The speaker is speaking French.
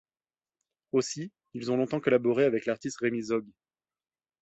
Aussi, ils ont longtemps collaboré avec l'artiste Rémy Zaugg.